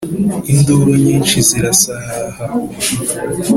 Induru nyinshi zirasahaha!